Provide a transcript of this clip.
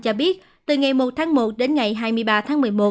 cho biết từ ngày một tháng một đến ngày hai mươi ba tháng một mươi một